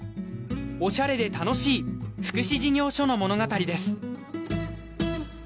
オシャレで楽しい福祉事業所の物語です。